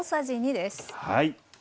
はい。